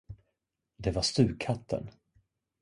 Det var stugkatten.